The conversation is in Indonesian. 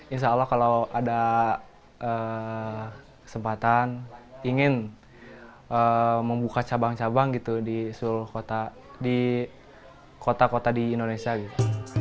insya allah kalau ada kesempatan ingin membuka cabang cabang gitu di kota kota di indonesia gitu